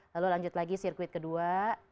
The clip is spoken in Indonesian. lalu lanjut lagi sirkuit kedua